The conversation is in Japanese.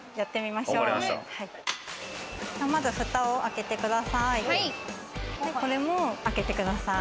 まず蓋を開けてください。